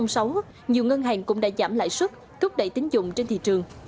nhiều ngân hàng cũng đã giảm lại sức thúc đẩy tín dụng trên thị trường